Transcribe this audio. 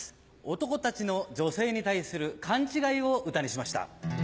男たちの女性に対する勘違いを歌にしました。